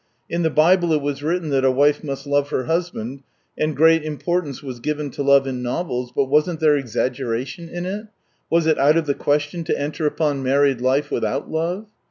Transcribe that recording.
... In the Bible it was written that a wife must love her husband, and great import ance was given to love in novels, but wasn't there exaggeration in it ? Was it out of the question to enter upon married life without love